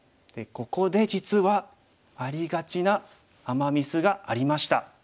ここで実はありがちなアマ・ミスがありました。